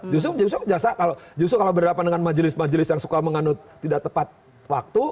justru jasa kalau berhadapan dengan majelis majelis yang suka mengenut tidak tepat waktu